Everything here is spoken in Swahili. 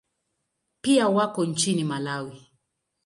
Pia wako nchini Malawi.